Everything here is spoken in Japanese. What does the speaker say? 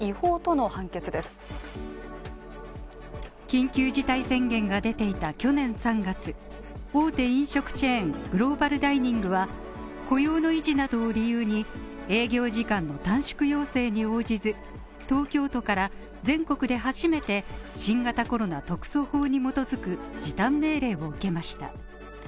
緊急事態宣言が出ていた去年３月、大手飲食チェーングローバルダイニングは、雇用の維持などを理由に営業時間の短縮要請に応じず、東京都から全国で初めて新型コロナ特措法に基づく時短命令を受けました。